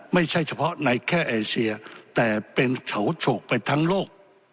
ไม่ใช่เฉพาะในแค่เอเชียแต่เป็นเฉาโฉกไปทั้งโลก